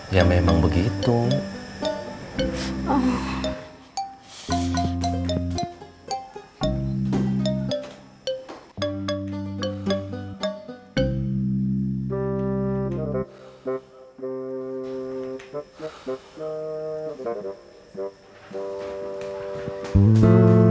ya memang benar pak